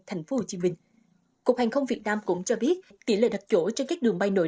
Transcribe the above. thành phố hồ chí minh cục hàng không việt nam cũng cho biết tỷ lệ đặt chỗ cho các đường bay nội